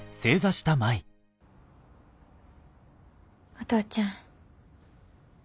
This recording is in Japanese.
お父ちゃん。